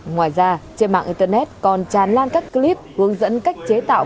ngoài ra trên mạng internet còn tràn lan các clip hướng dẫn cách chế tạo